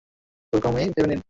ওরকমই ভেবে নিন।